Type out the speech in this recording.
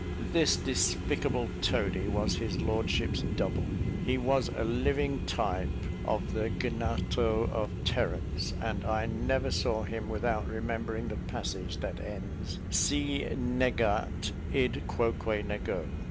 This despicable toady was his lordship's double; he was a living type of the Gnatho of Terence; and I never saw him without remembering the passage that ends "si negat id quoque nego."